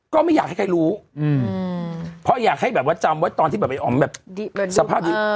ก็ไม่อยากให้ใครรู้เพราะอยากให้แบบว่าจำไว้ตอนที่แบบไออ๋อมแบบสภาพนี้